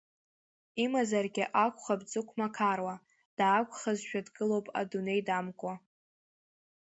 Имазаргьы акәхап дзырмақаруа, даақәхазшәа дгылоуп идунеи дамкуа.